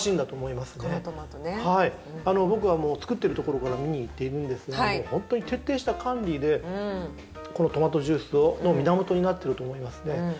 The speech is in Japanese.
はい僕はもう作ってるところから見にいっているんですが本当に徹底した管理でこのトマトジュースの源になってると思いますね。